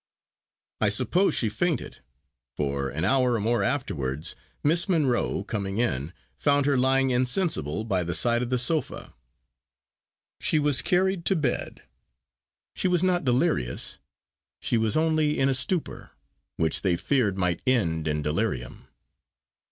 I suppose she fainted. For, an hour or more afterwards Miss Monro, coming in, found her lying insensible by the side of the sofa. She was carried to bed. She was not delirious, she was only in a stupor, which they feared might end in delirium.